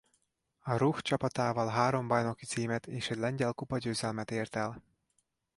A Ruch csapatával három bajnoki címet és egy lengyel kupagyőzelmet ért el.